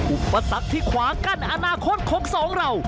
อุปสรรคที่ขวางกั้นอนาคตของสองเรา